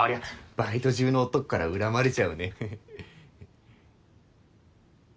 バイト中の男から恨まれちゃうね。